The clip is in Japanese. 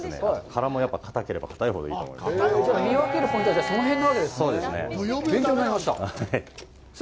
殻もかたければかたいほどいいと思います。